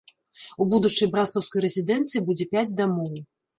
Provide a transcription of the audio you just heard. У будучай браслаўскай рэзідэнцыі будзе пяць дамоў.